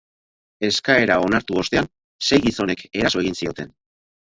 Eskaera onartu ostean, sei gizonek eraso egin zioten.